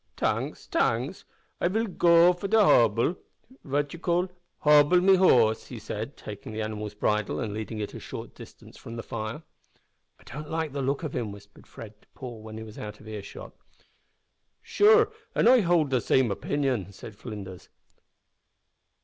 "T'anks, t'anks. I vill go for hubble vat you call hobble me horse," he said, taking the animal's bridle and leading it a short distance from the fire. "I don't like the look of him," whispered Fred to Paul when he was out of earshot. "Sure, an' I howld the same opinion," said Flinders.